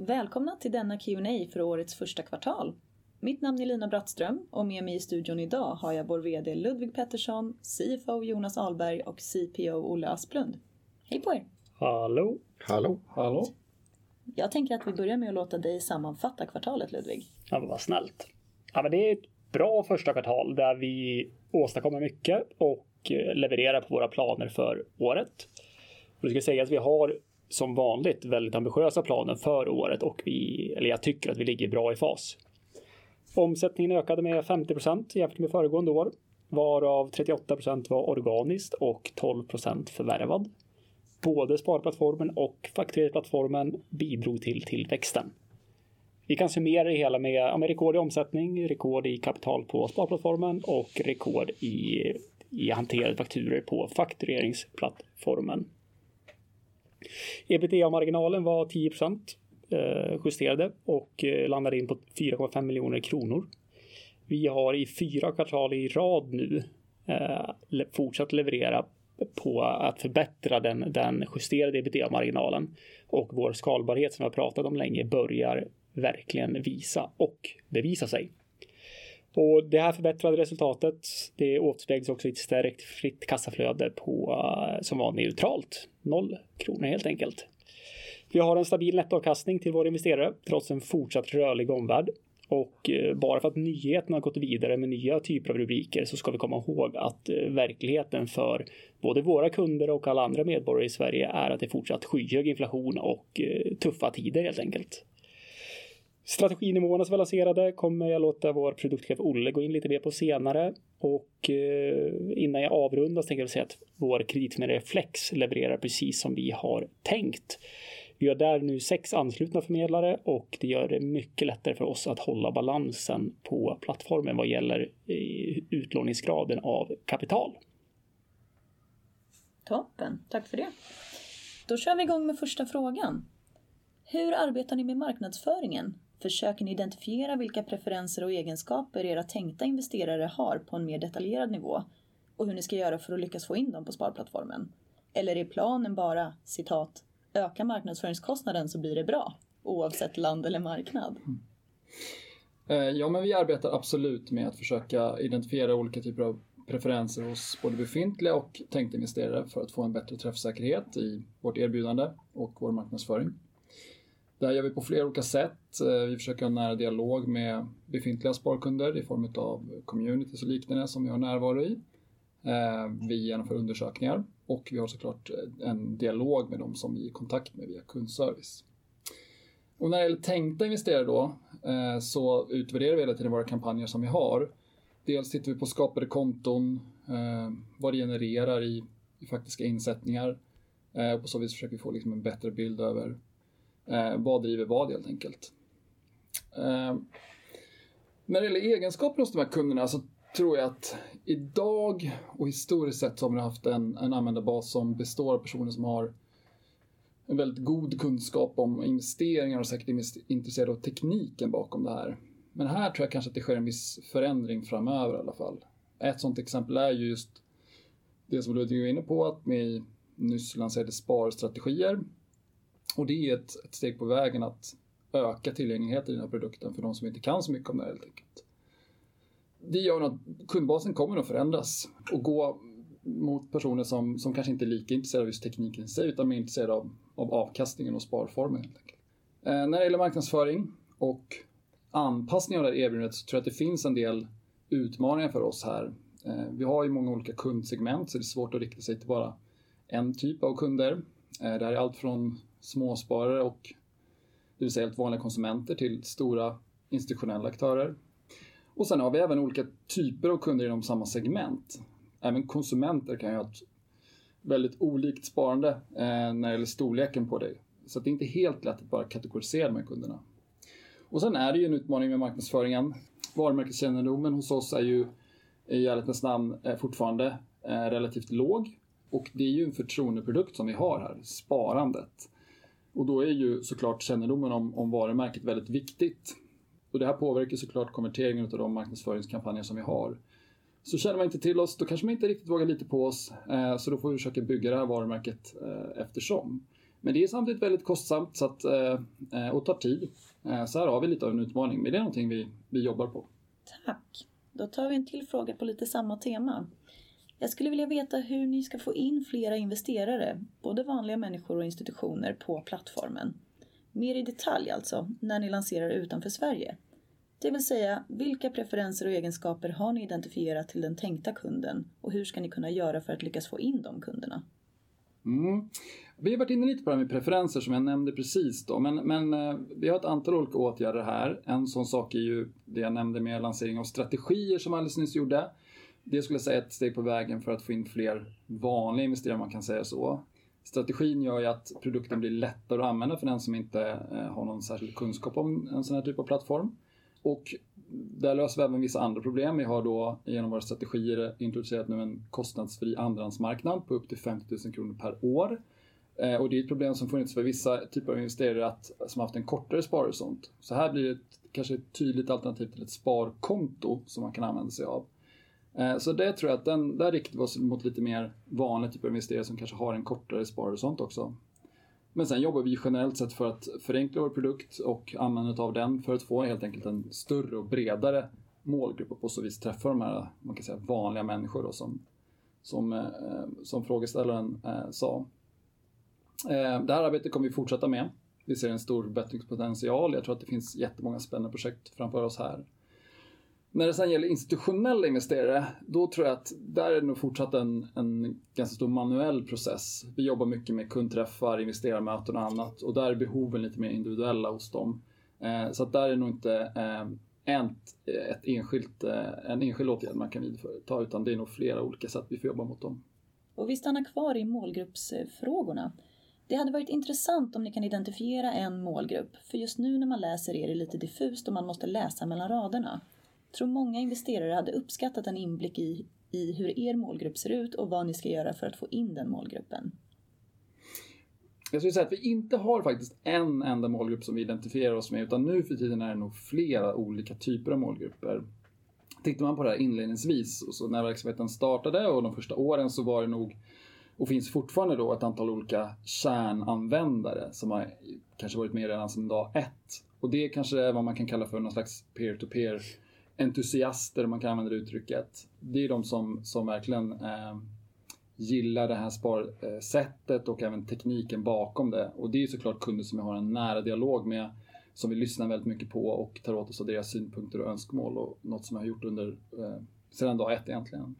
Välkomna till denna Q&A för årets första kvartal. Mitt namn är Lina Brattström och med mig i studion idag har jag vår VD Ludwig Pettersson, CFO Jonas Ahlberg och CPO Olle Asplund. Hej på er. Hallå. Hallå. Hallå. Jag tänker att vi börjar med att låta dig sammanfatta kvartalet, Ludvig. Vad snällt. Det är ett bra first quarter där vi åstadkommer mycket och levererar på våra planer för året. Jag ska säga att vi har som vanligt väldigt ambitiösa planer för året och vi, eller jag tycker att vi ligger bra i fas. Omsättningen ökade med 50% jämfört med föregående år, varav 38% var organiskt och 12% förvärvad. Både sparplattformen och faktureringsplattformen bidrog till tillväxten. Vi kan summera det hela med rekord i omsättning, rekord i kapital på sparplattformen och rekord i hanterade fakturor på faktureringsplattformen. EBITDA-marginalen var 10%, justerade och landade in på SEK 4.5 million. Vi har i 4 kvartal i rad nu fortsatt leverera på att förbättra den justerade EBITDA-marginalen och vår skalbarhet som vi har pratat om länge börjar verkligen visa och bevisar sig. Det här förbättrade resultatet, det återspeglas också i ett stärkt fritt kassaflöde på, som var neutralt. 0 SEK helt enkelt. Vi har en stabil nettoavkastning till vår investerare trots en fortsatt rörlig omvärld. Bara för att nyheten har gått vidare med nya typer av rubriker så ska vi komma ihåg att verkligheten för både våra kunder och alla andra medborgare i Sverige är att det är fortsatt skyhög inflation och tuffa tider helt enkelt. Strateginivåerna som vi lanserade kommer jag låta vår Produktchef Olle gå in lite mer på senare. Innan jag avrundar tänker jag säga att vår kreditförmedlare Flex levererar precis som vi har tänkt. Vi har där nu 6 anslutna förmedlare och det gör det mycket lättare för oss att hålla balansen på plattformen vad gäller utlåningsgraden av kapital. Toppen. Tack för det. Kör vi i gång med första frågan. Hur arbetar ni med marknadsföringen? Försöker ni identifiera vilka preferenser och egenskaper era tänkta investerare har på en mer detaljerad nivå och hur ni ska göra för att lyckas få in dem på sparplattformen? Är planen bara citat: "Öka marknadsföringskostnaden så blir det bra, oavsett land eller marknad. Ja men vi arbetar absolut med att försöka identifiera olika typer av preferenser hos både befintliga och tänkta investerare för att få en bättre träffsäkerhet i vårt erbjudande och vår marknadsföring. Det här gör vi på flera olika sätt. Vi försöker ha nära dialog med befintliga sparkunder i form utav communities och liknande som vi har närvaro i. Vi genomför undersökningar och vi har så klart en dialog med dem som vi är i kontakt med via kundservice. Och när det gäller tänkta investerare då, så utvärderar vi hela tiden våra kampanjer som vi har. Dels tittar vi på skapade konton, vad det genererar i faktiska insättningar. Och så vi försöker få liksom en bättre bild över, vad driver vad helt enkelt. när det gäller egenskaper hos de här kunderna så tror jag att i dag och historiskt sett så har vi haft en användarbas som består av personer som har en väldigt god kunskap om investeringar och säkert intresserad av tekniken bakom det här. Här tror jag kanske att det sker en viss förändring framöver i alla fall. Ett sådant exempel är ju just det som Ludvig var inne på att med nyss lanserade Sparstrategier. Det är ett steg på vägen att öka tillgängligheten i den här produkten för de som inte kan så mycket om det här helt enkelt. Det gör nog att kundbasen kommer att förändras och gå mot personer som kanske inte är lika intresserade av just tekniken i sig, utan mer intresserade av avkastningen och sparformen helt enkelt. När det gäller marknadsföring och anpassning av det här erbjudandet så tror jag att det finns en del utmaningar för oss här. Vi har ju många olika kundsegment så det är svårt att rikta sig till bara en typ av kunder. Det är allt från småsparare och det vill säga helt vanliga konsumenter till stora institutionella aktörer. Sen har vi även olika typer av kunder inom samma segment. Även konsumenter kan ju ha ett väldigt olikt sparande, när det gäller storleken på det. Det är inte helt lätt att bara kategorisera de här kunderna. Sen är det ju en utmaning med marknadsföringen. Varumärkeskännedomen hos oss är ju i alla fall dess namn är fortfarande relativt låg och det är ju en förtroendeprodukt som vi har här, sparandet. Då är ju så klart kännedomen om varumärket väldigt viktigt. Det här påverkar så klart konverteringen utav de marknadsföringskampanjer som vi har. Känner man inte till oss, då kanske man inte riktigt vågar lita på oss. Då får vi försöka bygga det här varumärket, eftersom. Det är samtidigt väldigt kostsamt så att, och tar tid. Här har vi lite av en utmaning, men det är någonting vi jobbar på. Tack. Då tar vi en till fråga på lite samma tema. Jag skulle vilja veta hur ni ska få in flera investerare, både vanliga människor och institutioner, på plattformen. Mer i detalj alltså, när ni lanserar utanför Sverige. Det vill säga, vilka preferenser och egenskaper har ni identifierat till den tänkta kunden och hur ska ni kunna göra för att lyckas få in de kunderna? Vi har varit inne lite på det här med preferenser som jag nämnde precis då. Vi har ett antal olika åtgärder här. En sådan sak är ju det jag nämnde med lansering av strategier som vi alldeles nyss gjorde. Det skulle jag säga är ett steg på vägen för att få in fler vanliga investerare om man kan säga så. Strategin gör ju att produkten blir lättare att använda för den som inte har någon särskild kunskap om en sådan här typ av plattform. Där löser vi även vissa andra problem. Vi har då igenom våra strategier introducerat nu en kostnadsfri Andrahandsmarknad på upp till 50,000 SEK per år. Det är ett problem som funnits för vissa typer av investerare att, som haft en kortare sparhorisont. Här blir det kanske ett tydligt alternativ till ett sparkonto som man kan använda sig av. Det tror jag att där riktar vi oss mot lite mer vanliga typer av investerare som kanske har en kortare sparhorisont också. Jobbar vi generellt sett för att förenkla vår produkt och användandet av den för att få helt enkelt en större och bredare målgrupp och på så vis träffa de här, man kan säga vanliga människor då som frågeställaren sa. Det här arbetet kommer vi fortsätta med. Vi ser en stor bättringspotential. Jag tror att det finns jättemånga spännande projekt framför oss här. När det sen gäller institutionella investerare, då tror jag att där är det nog fortsatt en ganska stor manuell process. Vi jobbar mycket med kundträffar, investerarmöten och annat och där är behoven lite mer individuella hos dem. Där är nog inte, en, ett enskilt, en enskild åtgärd man kan vidta, utan det är nog flera olika sätt vi får jobba mot dem. Vi stannar kvar i målgruppsfrågorna. Det hade varit intressant om ni kan identifiera en målgrupp, för just nu när man läser er är det lite diffust och man måste läsa mellan raderna. Tror många investerare hade uppskattat en inblick i hur er målgrupp ser ut och vad ni ska göra för att få in den målgruppen. Jag skulle säga att vi inte har faktiskt en enda målgrupp som vi identifierar oss med, utan nu för tiden är det nog flera olika typer av målgrupper. Tittar man på det här inledningsvis och så när verksamheten startade och de första åren så var det nog, och finns fortfarande då, ett antal olika kärnanvändare som har kanske varit med redan sedan dag ett. Och det kanske är vad man kan kalla för något slags peer to peer-entusiaster om man kan använda det uttrycket. Det är de som, som verkligen, eh, gillar det här sparsättet och även tekniken bakom det. Och det är så klart kunder som vi har en nära dialog med, som vi lyssnar väldigt mycket på och tar åt oss av deras synpunkter och önskemål och något som jag har gjort under, eh, sedan dag ett egentligen.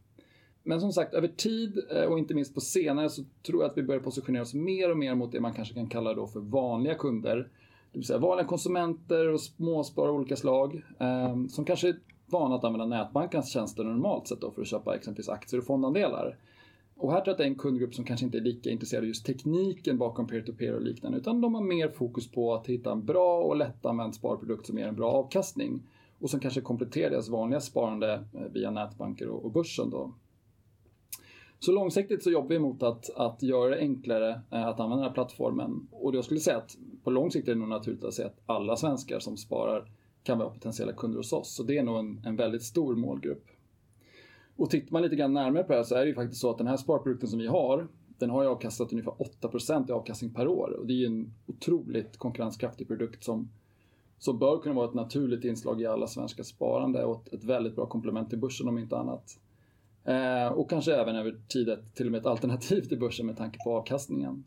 Som sagt, över tid, och inte minst på senare, tror jag att vi börjar positionera oss mer och mer mot det man kanske kan kalla då för vanliga kunder. Det vill säga vanliga konsumenter och småsparare av olika slag, som kanske är vana att använda nätbankens tjänster normalt sett då för att köpa exempelvis aktier och fondandelar. Här tror jag att det är en kundgrupp som kanske inte är lika intresserad av just tekniken bakom peer-to-peer och liknande, utan de har mer fokus på att hitta en bra och lättanvänd sparprodukt som ger en bra avkastning och som kanske kompletterar deras vanliga sparande via nätbanker och börsen då. Långsiktigt så jobbar vi mot att göra det enklare att använda den här plattformen. Jag skulle säga att på lång sikt är det nog naturligt att säga att alla svenskar som sparar kan vara potentiella kunder hos oss. Det är nog en väldigt stor målgrupp. Tittar man lite grann närmare på det så är det faktiskt så att den här sparprodukten som vi har, den har ju avkastat ungefär 8% i avkastning per år. Det är ju en otroligt konkurrenskraftig produkt som bör kunna vara ett naturligt inslag i alla svenskar sparande och ett väldigt bra komplement till börsen om inte annat. Kanske även över tid ett till och med ett alternativ till börsen med tanke på avkastningen.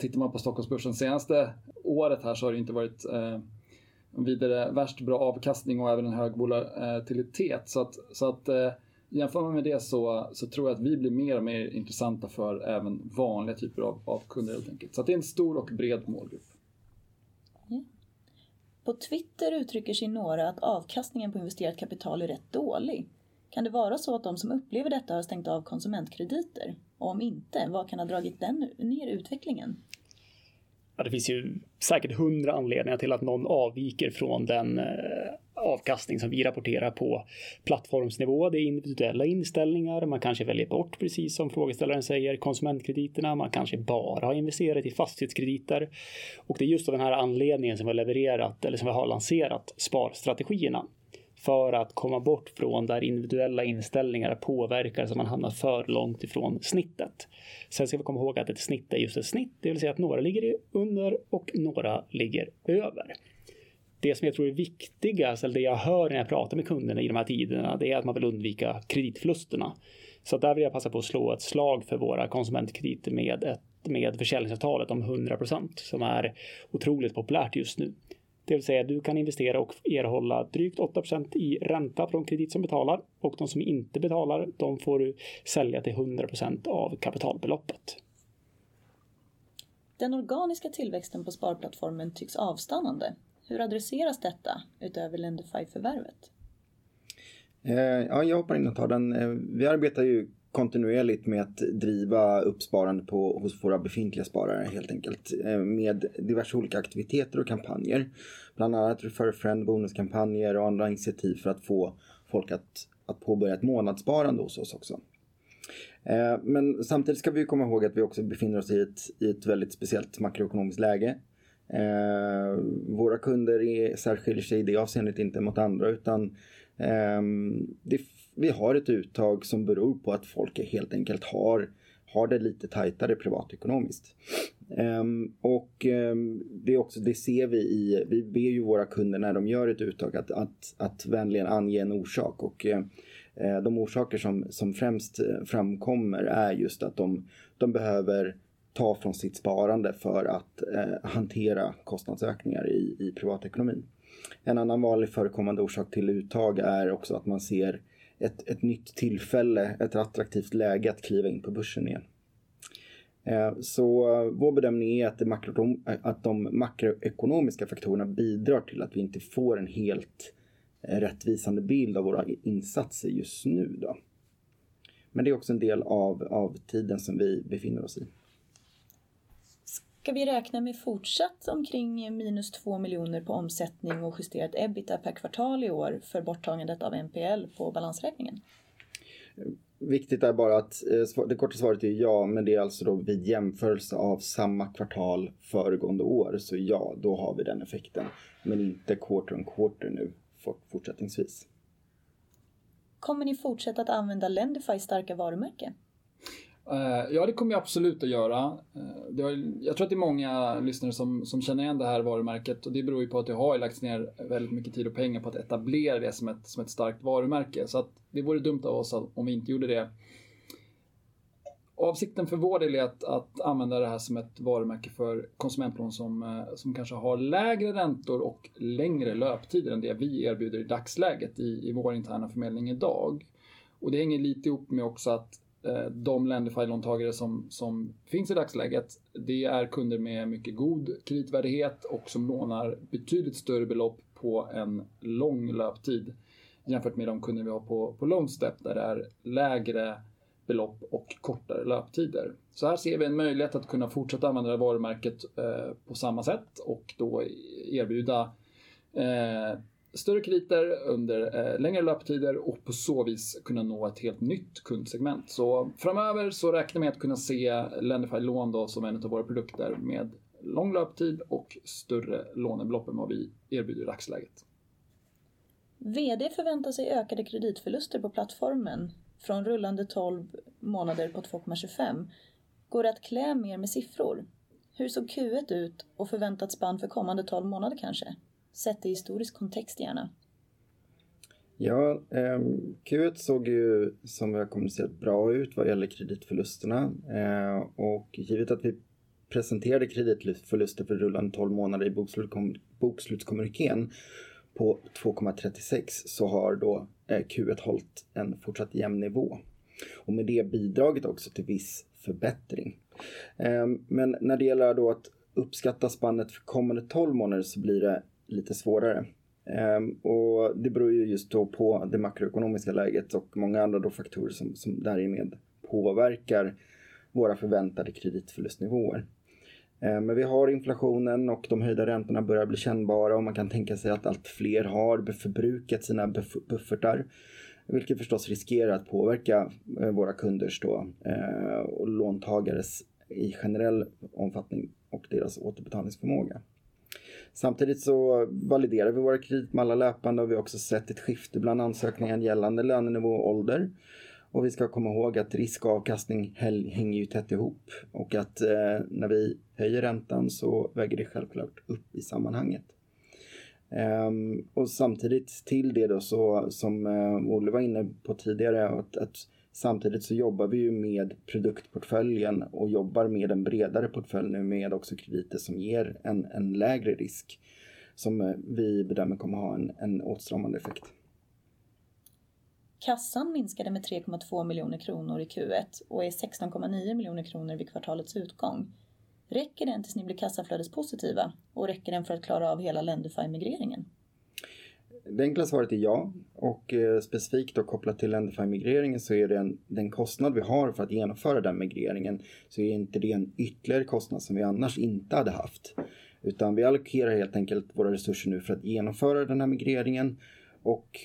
Tittar man på Stockholmsbörsen senaste året här så har det ju inte varit vidare värst bra avkastning och även en hög volatilitet. Jämför man med det så tror jag att vi blir mer och mer intressanta för även vanliga typer av kunder helt enkelt. Det är en stor och bred målgrupp. På Twitter uttrycker sig några att avkastningen på investerat kapital är rätt dålig. Kan det vara så att de som upplever detta har stängt av konsumentkrediter? Om inte, vad kan ha dragit den ner i utvecklingen? Det finns ju säkert 100 anledningar till att någon avviker från den avkastning som vi rapporterar på plattformsnivå. Det är individuella inställningar. Man kanske väljer bort, precis som frågeställaren säger, konsumentkrediterna. Man kanske bara investerar i fastighetskrediter. Det är just av den här anledningen som vi har levererat eller som vi har lanserat Sparstrategier för att komma bort från där individuella inställningar påverkar så man hamnar för långt ifrån snittet. Ska vi komma ihåg att ett snitt är just ett snitt, det vill säga att några ligger under och några ligger över. Det som jag tror är viktigast eller det jag hör när jag pratar med kunderna i de här tiderna, det är att man vill undvika kreditförlusterna. Där vill jag passa på att slå ett slag för våra konsumentkrediter med försäljningsavtalet om 100% som är otroligt populärt just nu. Det vill säga, du kan investera och erhålla drygt 8% i ränta från kredit som betalar och de som inte betalar, de får du sälja till 100% av kapitalbeloppet. Den organiska tillväxten på sparplattformen tycks avstannande. Hur adresseras detta utöver Lendify-förvärvet? Ja jag hoppar in och tar den. Vi arbetar ju kontinuerligt med att driva uppsparande på, hos våra befintliga sparare helt enkelt, med diverse olika aktiviteter och kampanjer. Bland annat refer-a-friend-bonuskampanjer och andra initiativ för att få folk att påbörja ett månadssparande hos oss också. Samtidigt ska vi ju komma ihåg att vi också befinner oss i ett, i ett väldigt speciellt makroekonomiskt läge. Våra kunder är, särskiljer sig i det avseendet inte mot andra, utan, det, vi har ett uttag som beror på att folk helt enkelt har det lite tajtare privatekonomiskt. Det också, det ser vi i, vi ber ju våra kunder när de gör ett uttag att vänligen ange en orsak. De orsaker som främst framkommer är just att de behöver ta från sitt sparande för att hantera kostnadsökningar i privatekonomin. En annan vanlig förekommande orsak till uttag är också att man ser ett nytt tillfälle, ett attraktivt läge att kliva in på börsen igen. Vår bedömning är att de makroekonomiska faktorerna bidrar till att vi inte får en helt rättvisande bild av våra insatser just nu då. Det är också en del av tiden som vi befinner oss i. Ska vi räkna med fortsatt omkring minus SEK 2 miljoner på omsättning och justerat EBITDA per kvartal i år för borttagandet av NPL på balansräkningen? Viktigt är bara att, svar, det korta svaret är ja, men det är alltså då vid jämförelse av samma kvartal föregående år. Ja, då har vi den effekten, men inte quarter om quarter nu fortsättningsvis. Kommer ni fortsätta att använda Lendify starka varumärke? Ja, det kommer vi absolut att göra. Jag tror att det är många lyssnare som känner igen det här varumärket och det beror ju på att jag har lagt ner väldigt mycket tid och pengar på att etablera det som ett, som ett starkt varumärke. Det vore dumt av oss om vi inte gjorde det. Avsikten för vår del är att använda det här som ett varumärke för konsumentlån som kanske har lägre räntor och längre löptider än det vi erbjuder i dagsläget i vår interna förmedling i dag. Och det hänger lite ihop med också att de Lendify låntagare som finns i dagsläget, det är kunder med mycket god kreditvärdighet och som lånar betydligt större belopp på en lång löptid. Jämfört med de kunder vi har på Loanstep, där det är lägre belopp och kortare löptider. Här ser vi en möjlighet att kunna fortsätta använda det varumärket på samma sätt och då erbjuda större krediter under längre löptider och på så vis kunna nå ett helt nytt kundsegment. Framöver så räknar vi med att kunna se Lendify lån då som en utav våra produkter med lång löptid och större lånebelopp än vad vi erbjuder i dagsläget. VD förväntar sig ökade kreditförluster på plattformen från rullande 12 månader på 2.25%. Går det att klä mer med siffror? Hur såg Q1 ut och förväntat spann för kommande 12 månader kanske? Sett i historisk kontext gärna. Ja, Q1 såg ju som vi har kommunicerat bra ut vad gäller kreditförlusterna. Givet att vi presenterade kreditförluster för rullande 12 months i bokslutskommunikén på 2.36%, så har då Q1 hållt en fortsatt jämn nivå och med det bidragit också till viss förbättring. När det gäller då att uppskatta spannet för kommande 12 months så blir det lite svårare. Det beror ju just då på det makroekonomiska läget och många andra då faktorer som därigenom påverkar våra förväntade kreditförlustnivåer. Vi har inflationen och de höjda räntorna börjar bli kännbara och man kan tänka sig att allt fler har förbrukat sina buffertar, vilket förstås riskerar att påverka våra kunders då och låntagares i generell omfattning och deras återbetalningsförmåga. Samtidigt så validerar vi våra kreditmallar löpande och vi har också sett ett skifte bland ansökningen gällande lönenivå och ålder. Vi ska komma ihåg att risk och avkastning hänger ju tätt ihop och att när vi höjer räntan så väger det självklart upp i sammanhanget. Samtidigt till det då så som Ole var inne på tidigare att samtidigt så jobbar vi ju med produktportföljen och jobbar med en bredare portfölj nu med också krediter som ger en lägre risk som vi bedömer kommer att ha en åtstramande effekt. Kassan minskade med SEK 3.2 million i Q1 och är SEK 16.9 million vid kvartalets utgång. Räcker det tills ni blir kassaflödespositiva och räcker den för att klara av hela Lendify migreringen? Det enkla svaret är ja, och specifikt då kopplat till Lendify migreringen så är det den kostnad vi har för att genomföra den migreringen. Är inte det en ytterligare kostnad som vi annars inte hade haft, utan vi allokerar helt enkelt våra resurser nu för att genomföra den här migreringen och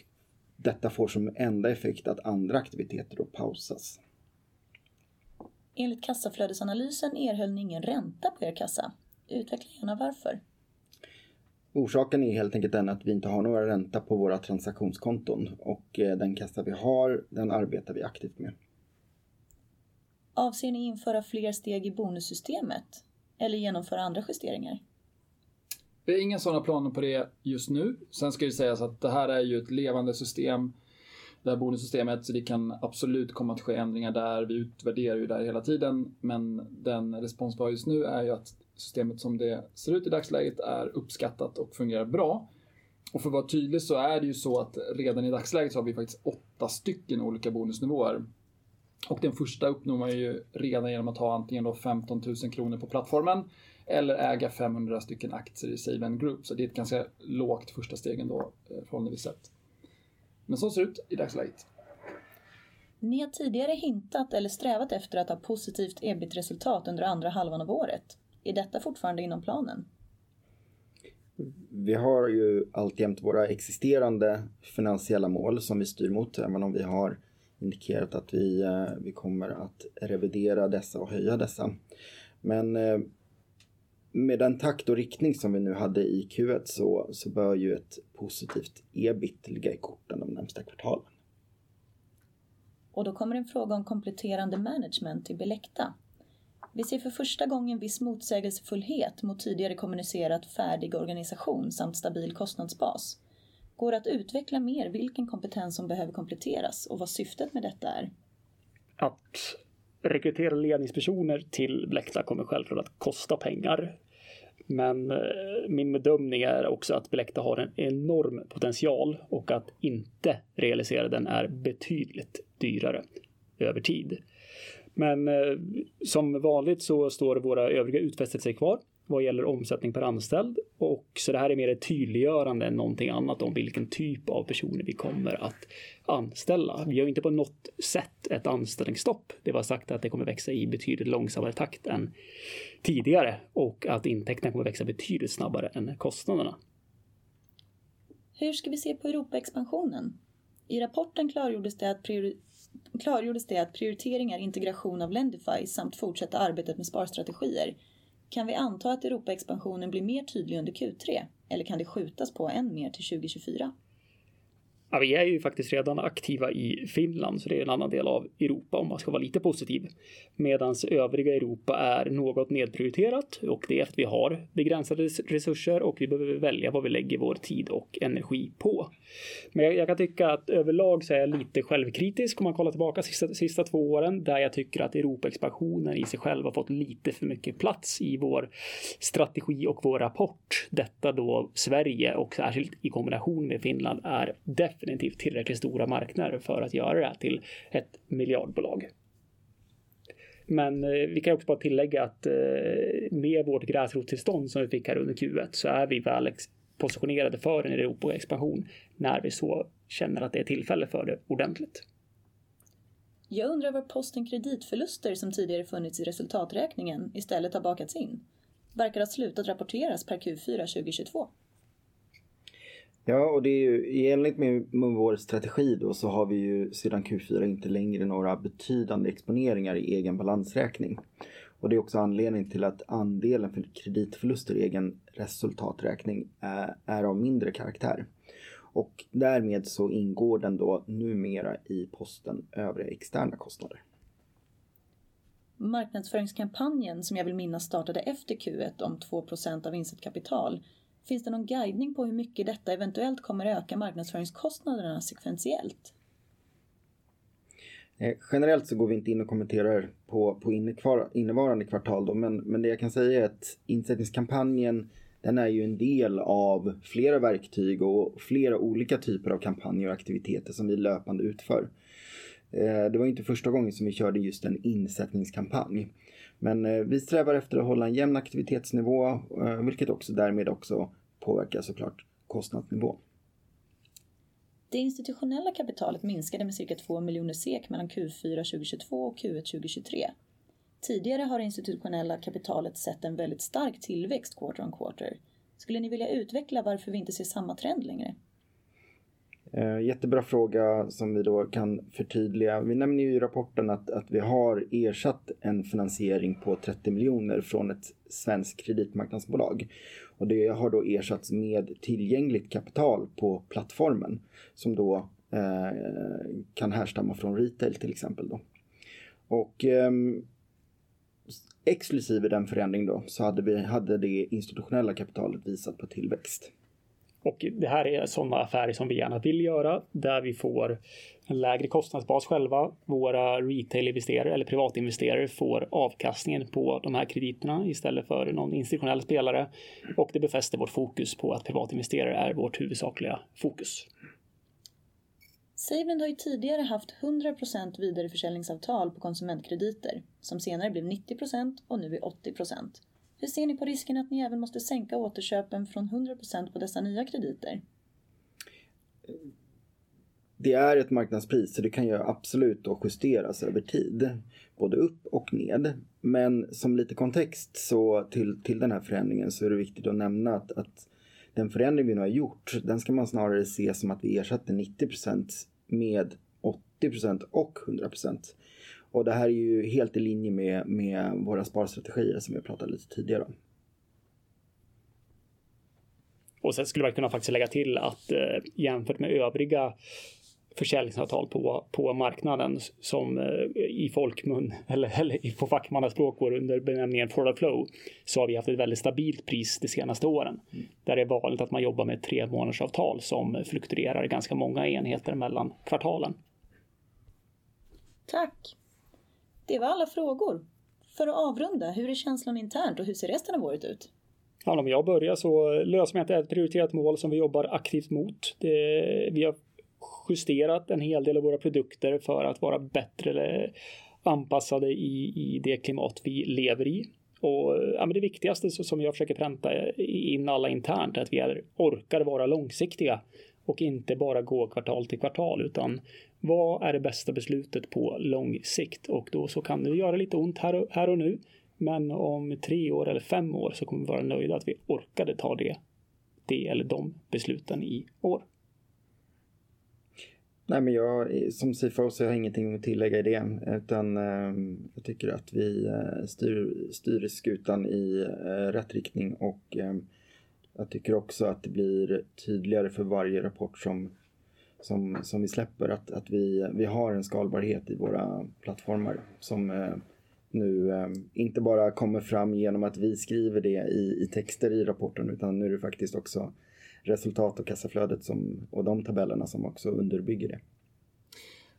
detta får som enda effekt att andra aktiviteter då pausas. Enligt kassaflödesanalysen erhöll ni ingen ränta på er kassa. Utveckla gärna varför. Orsaken är helt enkelt den att vi inte har några ränta på våra transaktionskonton och den kassa vi har, den arbetar vi aktivt med. Avser ni införa fler steg i bonussystemet eller genomföra andra justeringar? Vi har inga sådana planer på det just nu. Det ska sägas att det här är ju ett levande system, det här bonussystemet, så det kan absolut komma att ske ändringar där. Vi utvärderar ju det här hela tiden, den respons vi har just nu är ju att systemet som det ser ut i dagsläget är uppskattat och fungerar bra. För att vara tydlig så är det ju så att redan i dagsläget så har vi faktiskt åtta stycken olika bonusnivåer. Den första uppnår man ju redan igenom att ha antingen SEK 15,000 på plattformen eller äga 500 aktier i SaveLend Group. Det är ett ganska lågt första stegen då förhållandevis sett. Det ser ut i dagsläget. Ni har tidigare hintat eller strävat efter att ha positivt EBIT-resultat under andra halvan av året. Är detta fortfarande inom planen? Vi har ju alltjämt våra existerande finansiella mål som vi styr mot. Även om vi har indikerat att vi kommer att revidera dessa och höja dessa. Med den takt och riktning som vi nu hade i Q1 så bör ju ett positivt EBIT ligga i korten de närmsta kvartalen. Då kommer en fråga om kompletterande management till Billecta. Vi ser för första gången en viss motsägelsefullhet mot tidigare kommunicerat färdig organisation samt stabil kostnadsbas. Går det att utveckla mer vilken kompetens som behöver kompletteras och vad syftet med detta är? Att rekrytera ledningspersoner till Billecta kommer självklart att kosta pengar. Min bedömning är också att Billecta har en enorm potential och att inte realisera den är betydligt dyrare över tid. Som vanligt så står våra övriga utnästet sig kvar vad gäller omsättning per anställd. Det här är mer ett tydliggörande än någonting annat om vilken typ av personer vi kommer att anställa. Vi har inte på något sätt ett anställningsstopp. Det var sagt att det kommer växa i betydligt långsammare takt än tidigare och att intäkterna kommer växa betydligt snabbare än kostnaderna. Hur ska vi se på Europa expansionen? I rapporten Klargjordes det att prioritering är integration av Lendify samt fortsätta arbetet med Sparstrategier. Kan vi anta att Europaexpansionen blir mer tydlig under Q3 eller kan det skjutas på än mer till 2024? Vi är ju faktiskt redan aktiva i Finland, så det är en annan del av Europa om man ska vara lite positiv. Övriga Europa är något nedprioriterat och det är att vi har begränsade resurser och vi behöver välja vad vi lägger vår tid och energi på. Jag kan tycka att överlag så är jag lite självkritisk om man kollar tillbaka sista två åren, där jag tycker att Europaexpansionen i sig själv har fått lite för mycket plats i vår strategi och vår rapport. Detta då Sverige och särskilt i kombination med Finland är definitivt tillräckligt stora marknader för att göra det här till ett miljardbolag. Vi kan också bara tillägga att med vårt gräsrottillstånd som vi fick här under Q1 så är vi väl positionerade för en Europaexpansion när vi så känner att det är tillfälle för det ordentligt. Jag undrar var posten kreditförluster som tidigare funnits i resultaträkningen istället har bakats in. Verkar ha slutat rapporteras per Q4 2022. Ja, det är ju, i enlighet med vår strategi då så har vi ju sedan Q4 inte längre några betydande exponeringar i egen balansräkning. Det är också anledningen till att andelen för kreditförluster i egen resultaträkning är av mindre karaktär. Därmed så ingår den då numera i posten övriga externa kostnader. Marknadsföringskampanjen som jag vill minnas startade efter Q1 om 2% av insättkapital. Finns det någon guidning på hur mycket detta eventuellt kommer öka marknadsföringskostnaderna sekventiellt? Nej, generellt så går vi inte in och kommenterar på innevarande kvartal då. Det jag kan säga är att insättningskampanjen, den är ju en del av flera verktyg och flera olika typer av kampanjer och aktiviteter som vi löpande utför. Det var inte första gången som vi körde just en insättningskampanj. Vi strävar efter att hålla en jämn aktivitetsnivå, vilket också därmed också påverkar så klart kostnadsnivån. Det institutionella kapitalet minskade med cirka SEK 2 million mellan Q4 2022 och Q1 2023. Tidigare har det institutionella kapitalet sett en väldigt stark tillväxt quarter-on-quarter. Skulle ni vilja utveckla varför vi inte ser samma trend längre? Jättebra fråga som vi då kan förtydliga. Vi nämner ju i rapporten att vi har ersatt en finansiering på SEK 30 million från ett svenskt kreditmarknadsbolag. Det har då ersatts med tillgängligt kapital på plattformen som då kan härstamma från retail till exempel då. Exklusive den förändring då så hade det institutionella kapitalet visat på tillväxt. Det här är sådana affärer som vi gärna vill göra, där vi får en lägre kostnadsbas själva. Våra retailinvesterare eller privatinvesterare får avkastningen på de här krediterna istället för någon institutionell spelare. Det befäster vårt fokus på att privatinvesterare är vårt huvudsakliga fokus. SaveLend har ju tidigare haft 100% vidareförsäljningsavtal på konsumentkrediter som senare blev 90% och nu är 80%. Hur ser ni på risken att ni även måste sänka återköpen från 100% på dessa nya krediter? Det är ett marknadspris, så det kan ju absolut då justeras över tid, både upp och ned. Som lite kontext så till den här förändringen så är det viktigt att nämna att den förändring vi nu har gjort, den ska man snarare se som att vi ersatte 90% med 80% och 100%. Det här är ju helt i linje med våra Sparstrategier som vi har pratat lite tidigare om. Skulle man kunna faktiskt lägga till att jämfört med övriga försäljningsavtal på marknaden som i folkmun eller på fackmannaspråk går under benämningen forward flow, så har vi haft ett väldigt stabilt pris de senaste åren. Där det är vanligt att man jobbar med 3 månadsavtal som fluktuerar ganska många enheter mellan kvartalen. Tack. Det var alla frågor. För att avrunda, hur är känslan internt och hur ser resten av året ut? Om jag börjar, lönsamhet är ett prioriterat mål som vi jobbar aktivt mot. Vi har justerat en hel del av våra produkter för att vara bättre anpassade i det klimat vi lever i. Det viktigaste som jag försöker pränta in alla internt, att vi orkar vara långsiktiga och inte bara gå kvartal till kvartal, utan vad är det bästa beslutet på lång sikt? Då kan det göra lite ont här och nu, om tre år eller fem år så kommer vi vara nöjda att vi orkade ta det eller de besluten i år. Jag, som CFO så har jag ingenting att tillägga i det, utan jag tycker att vi styr skutan i rätt riktning och jag tycker också att det blir tydligare för varje rapport som vi släpper att vi har en skalbarhet i våra plattformar som nu inte bara kommer fram genom att vi skriver det i texter i rapporten, utan nu är det faktiskt också resultat och kassaflödet som, och de tabellerna som också underbygger det.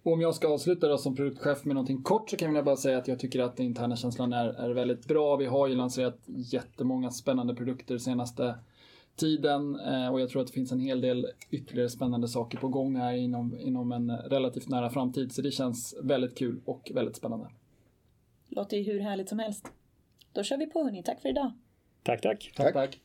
Om jag ska avsluta då som produktchef med någonting kort så kan jag väl bara säga att jag tycker att den interna känslan är väldigt bra. Vi har ju lanserat jättemånga spännande produkter senaste tiden och jag tror att det finns en hel del ytterligare spännande saker på gång här inom en relativt nära framtid. Det känns väldigt kul och väldigt spännande. Låter hur härligt som helst. kör vi på hörni. Tack för i dag! Tack. Tack.